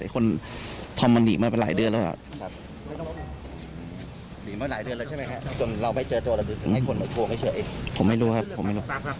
ไอ้คนทำมันหนีมาหลายเดือนแล้วอ่ะหนีมาหลายเดือนแล้วใช่ไหมฮะ